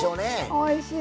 おいしい！